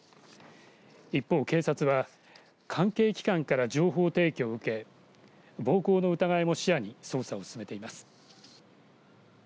一方、警察は関係機関から情報提供を受け暴行の疑いも視野に捜査を進めています。